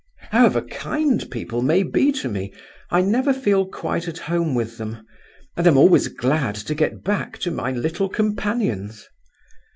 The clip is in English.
However kind people may be to me, I never feel quite at home with them, and am always glad to get back to my little companions.